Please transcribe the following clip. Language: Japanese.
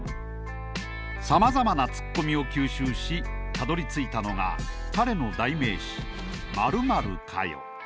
さまざまなツッコミを吸収したどりついたのが彼の代名詞「○○かよ！」。